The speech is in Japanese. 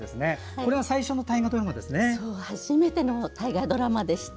これが最初の大河ドラマですね。